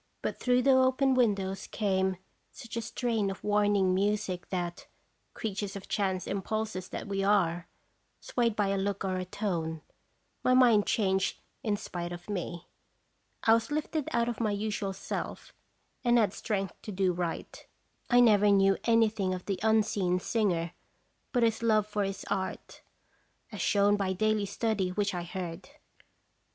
But through the open windows came such a strain of warning music that, creatures of chance impulses that we are, swayed by a look or a tone, my mind changed in spite of me. I was lifted out of my usual self, and had strength to do right. I never knew any thing of the unseen singer but his love for his art as shown by daily study which I heard.